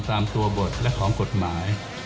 ตามตัวบทและของกฎหมาย